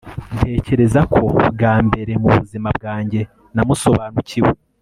ntekereza ko, bwa mbere mu buzima bwanjye, namusobanukiwe